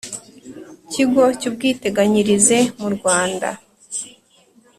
kigo cy ubwiteganyirize mu Rwanda